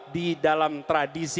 di dalam tradisi